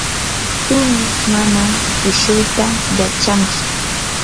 tumish manam tushuyta yachantsu.